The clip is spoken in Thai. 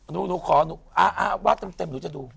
หนูขออาวาดเต็มหนูจะดู